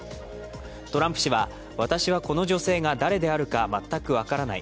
トランプ氏は私はこの女性が誰であるか全く分からない